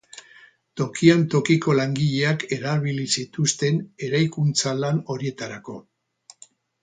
Tokian tokiko langileak erabili zituzten eraikuntza-lan horietarako.